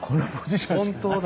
本当だ。